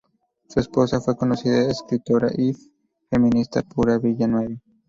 Su esposa fue la conocida escritora y feminista Pura Villanueva.